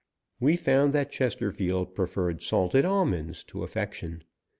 We found that Chesterfield preferred salted almonds to affection.